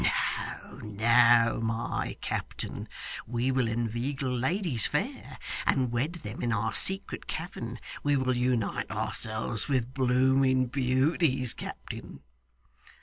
No, no, my captain. We will inveigle ladies fair, and wed them in our secret cavern. We will unite ourselves with blooming beauties, captain.